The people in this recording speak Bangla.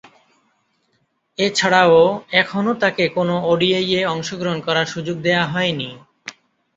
এছাড়াও, এখনো তাকে কোন ওডিআইয়ে অংশগ্রহণ করার সুযোগ দেয়া হয়নি।